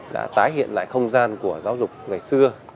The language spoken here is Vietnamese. đã tái hiện lại không gian của giáo dục ngày xưa